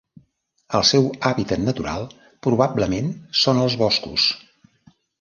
El seu hàbitat natural probablement són els boscos.